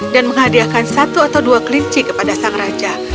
dan menghadiahkan satu atau dua kelinci kepada sang raja